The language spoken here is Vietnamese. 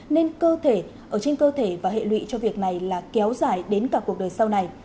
nên cơ thể ở trên cơ thể và hệ lụy cho việc này là kéo dài đến cả cuộc đời sau này